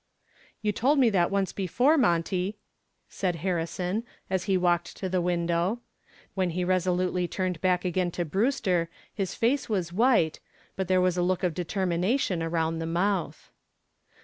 "You told me that once before, Monty," said Harrison, as he walked to the window. When he resolutely turned back again to Brewster his face was white, but there was a look of determination around the mouth.